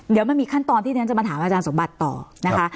เดี๋ยวมันมีขั้นตอนที่ที่ฉันจะมาถามอาจารย์สมบัติต่อนะคะ